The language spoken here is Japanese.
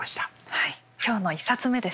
はい今日の１冊目ですね。